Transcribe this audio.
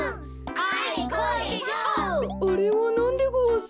あれはなんでごわす？